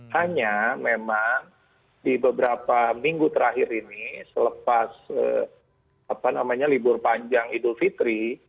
hanya memang di beberapa minggu terakhir ini selepas libur panjang idul fitri